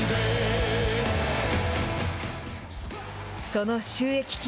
その収益金